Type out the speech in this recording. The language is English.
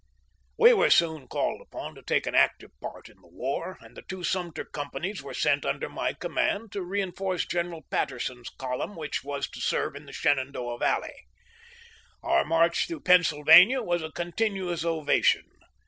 We were soon called upon to take an active part in the war, and the two Sumter companies were sent under my command to reenforce General Patter son's column, which was to serve in the Shenandoah Valley. Our march through Pennsylvania was a continuous ovation.